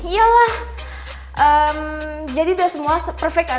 iya lah emm jadi udah semua perfect kan